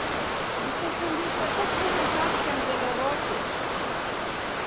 Mkufundishe kufunya chaw'ucha ngelo rose